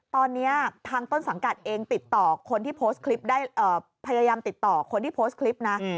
ตอนนี้ทางต้นสังกัดเองติดต่อคนที่โพสต์คลิปได้พยายามติดต่อคนที่โพสต์คลิปนะ